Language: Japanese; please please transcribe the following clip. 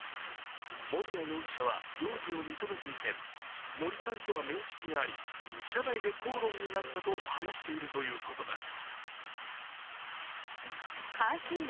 森谷容疑者は容疑を認めていて森さんとは面識があり、車内で口論になったと話しているということです。